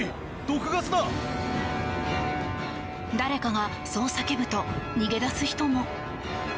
誰かがそう叫ぶと逃げ出す人も。